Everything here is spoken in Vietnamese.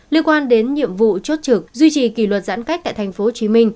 liên quan đến nhiệm vụ chốt trực duy trì kỷ luật giãn cách tại tp hcm